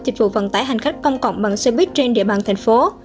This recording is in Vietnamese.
dịch vụ vận tải hành khách công cộng bằng xe buýt trên địa bàn thành phố